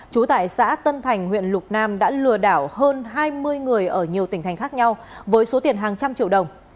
trú tại xã tân thành huyện lục nam đã lừa đảo hơn hai mươi người ở nhiều tỉnh thành khác nhau với số tiền hàng trăm triệu đồng